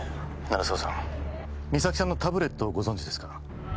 鳴沢さん実咲さんのタブレットをご存じですか？